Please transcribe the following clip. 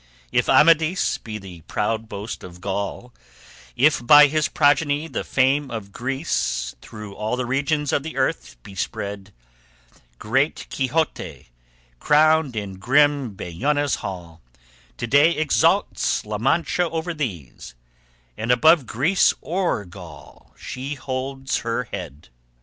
If Amadis be the proud boast of Gaul, If by his progeny the fame of Greece Through all the regions of the earth be spread, Great Quixote crowned in grim Bellona's hall To day exalts La Mancha over these, And above Greece or Gaul she holds her head.